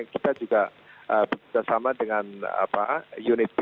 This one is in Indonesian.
kita juga bersama dengan unit pilot